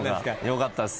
よかったっす。